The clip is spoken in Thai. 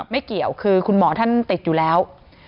ไม่เกี่ยวคือคุณหมอท่านติดอยู่แล้ว